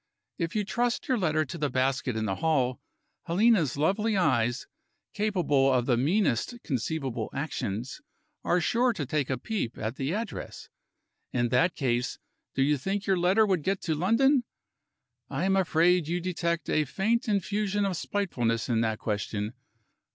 If you trust your letter to the basket in the hall, Helena's lovely eyes capable of the meanest conceivable actions are sure to take a peep at the address. In that case, do you think your letter would get to London? I am afraid you detect a faint infusion of spitefulness in that question.